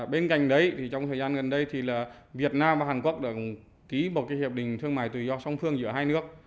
bên cạnh đấy trong thời gian gần đây việt nam và hàn quốc đã ký một hiệp định thương mại tự do song phương giữa hai nước